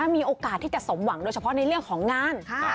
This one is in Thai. มีโอกาสที่จะสมหวังโดยเฉพาะในเรื่องของงาน